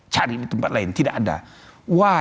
cari di tempat lain tidak ada wah